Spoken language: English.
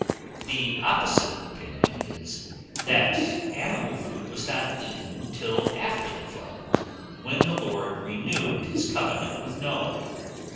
The opposite opinion is, that animal food was not eaten till after the Flood, when the Lord renewed his covenant with Noah.